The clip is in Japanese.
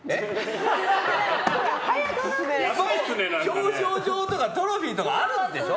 表彰状とかトロフィーとかあるでしょ。